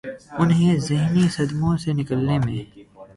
انہیں ذہنی صدموں سے نکلنے میں